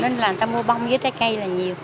nên là người ta mua bông với trái cây là nhiều